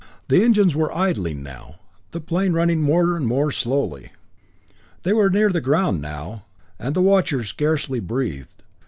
The engines were idling now, the plane running more and more slowly. They were near the ground now and the watchers scarcely breathed.